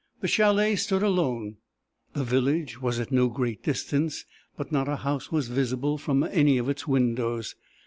"The chalet stood alone. The village was at no great distance, but not a house was visible from any of its windows.